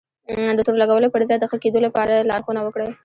د تور لګولو پر ځای د ښه کېدو لپاره لارښونه وکړئ.